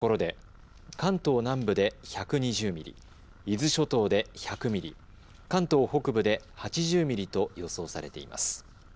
あす夕方までに降る雨の量はいずれも多いところで関東南部で１２０ミリ、伊豆諸島で１００ミリ、関東北部で８０ミリと予想されています。